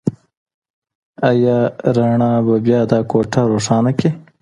ایا رڼا به بيا دا کوټه روښانه کړي؟